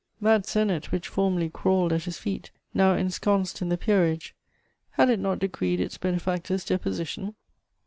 That Senate which formerly crawled at his feet, now ensconced in the peerage, had it not decreed its benefactor's deposition?